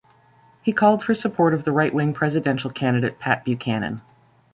He called for support of the right wing presidential candidate Pat Buchanan.